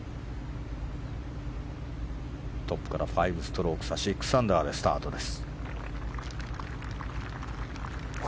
トップから５ストローク差６アンダーでスタートです。